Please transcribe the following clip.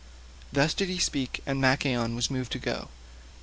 Thus did he speak, and Machaon was moved to go.